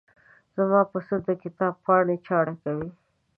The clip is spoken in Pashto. زما پسه د کتاب پاڼې چاړه کوي.